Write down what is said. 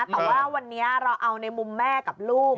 แต่ว่าวันนี้เราเอาในมุมแม่กับลูก